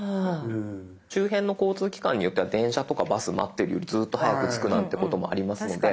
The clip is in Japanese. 周辺の交通機関によっては電車とかバス待ってるよりずっと早く着くなんてこともありますので。